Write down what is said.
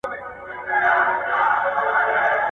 • يوه ويل کور مي تر تا جار، بل واښکى ورته هوار کی.